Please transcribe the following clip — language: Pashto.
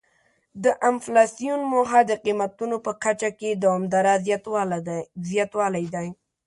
د انفلاسیون موخه د قیمتونو په کچه کې دوامداره زیاتوالی دی.